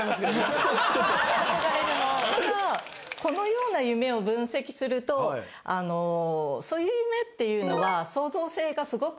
ただこのような夢を分析するとそういう夢っていうのは。